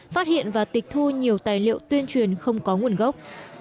phát hiện và tịch thu nhiều tài liệu tuyên truyền không có nguồn gốc